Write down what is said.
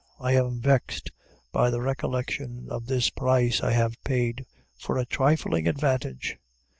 I am vexed by the recollection of this price I have paid for a trifling advantage.